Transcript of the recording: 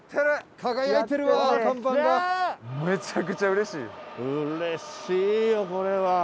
嬉しいよこれは。